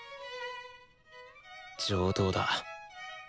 上等だ。